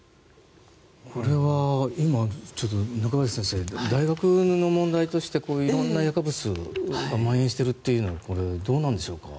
これは今、中林先生大学の問題としてこういういろんな薬物が蔓延しているというのはどうなんでしょうか。